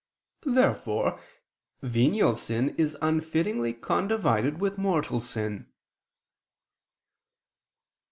Therefore venial sin is unfittingly condivided with mortal sin.